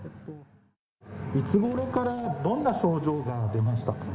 いつごろからどんな症状が出ましたか？